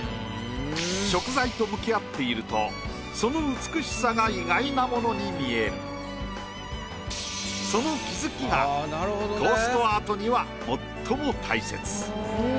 食材と向き合っているとその美しさがその気づきがトーストアートには最も大切。